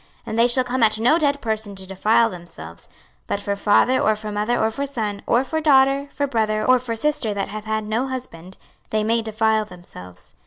26:044:025 And they shall come at no dead person to defile themselves: but for father, or for mother, or for son, or for daughter, for brother, or for sister that hath had no husband, they may defile themselves.